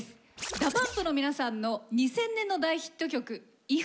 ＤＡＰＵＭＰの皆さんの２０００年のヒット曲「ｉｆ」。